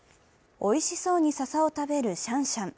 おいしそうに、ささを食べるシャンシャン。